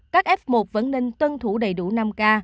các f một vẫn nên tuân thủ đầy đủ năm k